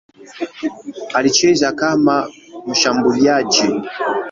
Alicheza kama mshambuliaji.